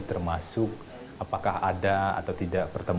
termasuk apakah ada atau tidak pertemuan